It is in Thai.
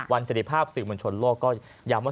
วันเสนียงภาพสือมวลชนโลกก็ยำว่า